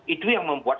itu yang membuat